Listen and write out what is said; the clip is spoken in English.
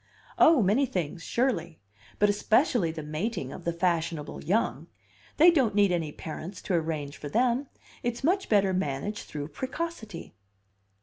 "Oh, many things, surely! But especially the mating of the fashionable young. They don't need any parents to arrange for them; it's much better managed through precocity."